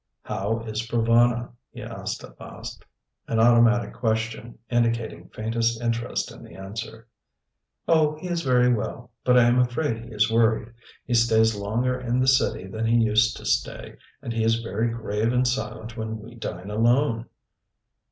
"How is Provana?" he asked at last; an automatic question, indicating faintest interest in the answer. "Oh, he is very well; but I am afraid he is worried. He stays longer in the City than he used to stay, and he is very grave and silent when we dine alone."